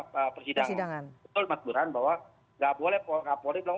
karena itu memang kebetulan bahwa nggak boleh kak polri bilang